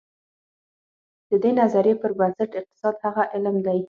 د دې نظریې پر بنسټ اقتصاد هغه علم دی.